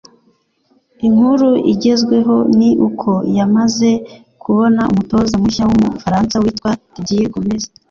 inkuru igezweho ni uko yamaze kubona umutoza mushya w’umufaransa witwa Didier Gomez